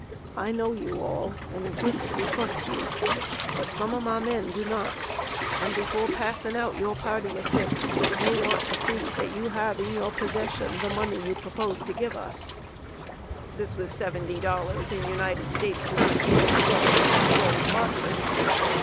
I know you all, and implicitly trust you; but some of my men do not, and before passing out your party of six, they want to see that you have in your possession the money you propose to give us" (seventy dollars in United States currency, together with two gold watches).